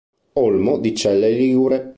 Olmo” di Celle Ligure.